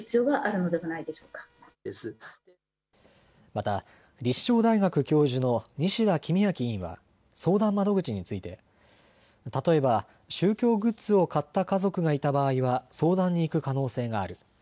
また立正大学教授の西田公昭委員は相談窓口について例えば宗教グッズを買った家族がいた場合は相談に行く可能性がある。